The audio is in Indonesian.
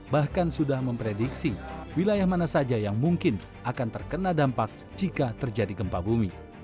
bahkan sudah memprediksi wilayah mana saja yang mungkin akan terkena dampak jika terjadi gempa bumi